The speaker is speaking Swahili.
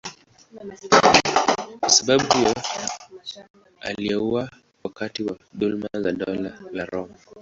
Kwa sababu hiyo aliuawa wakati wa dhuluma ya Dola la Roma.